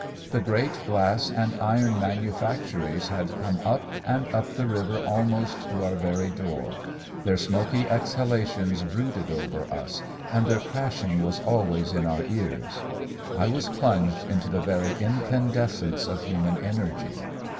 The great glass and iron manufactories had come up and up the river almost to our very door; their smoky exhalations brooded over us, and their crashing was always in our ears. I was plunged into the very incandescence of human energy.